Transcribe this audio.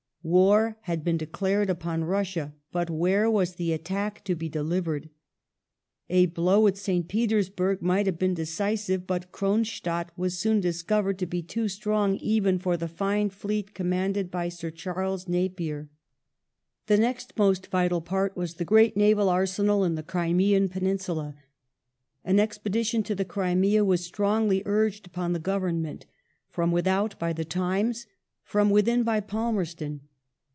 War had been declared upon Russia, but where was the attack The inva to be delivered ? A blow at St. Petersburg might have been cdmea' decisive, but Kronstadt was soon discovered to be too strong even for the fine fleet commanded by Sir Charles Napier. The next 2S0 THE COALITION AND THE CRIMEAN WAR [1852 most vital part was the great naval ai*senal in the Crimean peninsula. An expedition to the Crimea was strongly urged upon the Govern ment, from without by The Times, from within by Palmerston.